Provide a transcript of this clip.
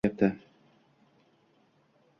Samarqand turizmi mahalla va qishloqlarga koʻchyapti